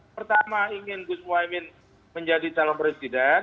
pertama ingin gus mohaimin menjadi salam presiden